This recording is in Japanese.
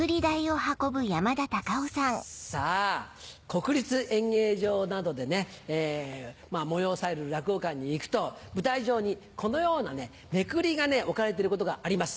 国立演芸場などで催される落語会に行くと舞台上にこのようなめくりが置かれてることがあります。